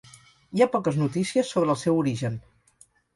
Hi ha poques notícies sobre el seu origen.